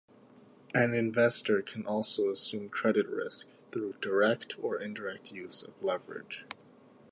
An investor can also assume credit risk through direct or indirect use of leverage.